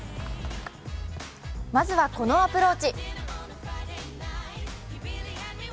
まずは、このアプローチ。